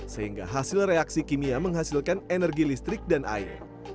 sehingga hasil reaksi kimia menghasilkan energi listrik dan air